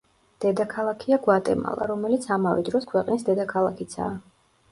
დედაქალაქია გვატემალა, რომელიც ამავე დროს ქვეყნის დედაქალაქიცაა.